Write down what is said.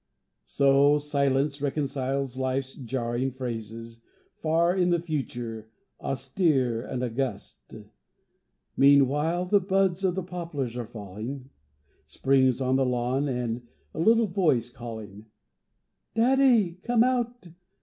So, Silence reconciles Life's jarring phrases Far in the future, austere and august: Meanwhile, the buds of the poplars are falling, Spring's on the lawn, and a little voice calling: "Daddy, come out!